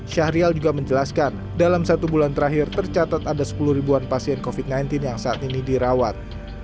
syahrial juga menjelaskan dalam satu bulan terakhir tercatat ada sepuluh ribuan pasien covid sembilan belas yang saat ini dirawat